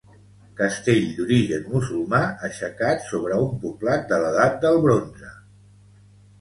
Castell d'origen musulmà, aixecat sobre un poblat de l'edat del bronze.